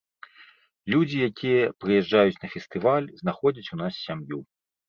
Людзі, якія прыязджаюць на фестываль, знаходзяць у нас сям'ю.